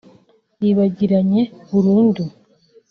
yibagiranye burundu